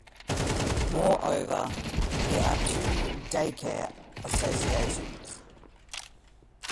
Moreover, there are two daycare associations.